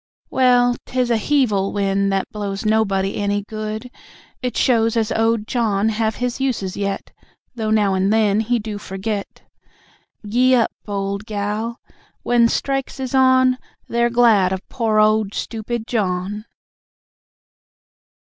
Well, 'tis a hevil wind that blows Nobody any good; it shows As owd John haves his uses yet, Though now and then he do forget. Gee up, owd gal. When strikes is on, They're glad of pore owd stoopid John.